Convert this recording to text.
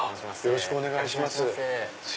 よろしくお願いします。